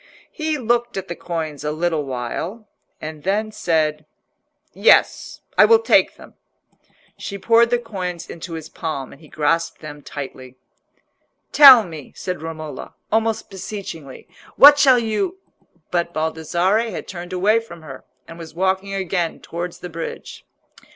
He looked at the coins a little while, and then said— "Yes, I will take them." She poured the coins into his palm, and he grasped them tightly. "Tell me," said Romola, almost beseechingly. "What shall you—" But Baldassarre had turned away from her, and was walking again towards the bridge.